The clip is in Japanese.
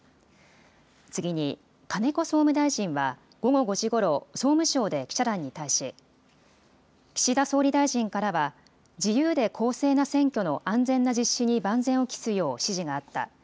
次に、金子総務大臣は午後５時ごろ、総務省で記者団に対し、岸田総理大臣からは、自由で公正な選挙の安全な実施に万全を期すよう指示があった。